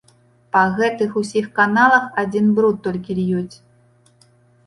Па гэтых усіх каналах адзін бруд толькі льюць!